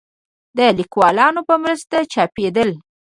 د ليکوالانو په مرسته چاپېدله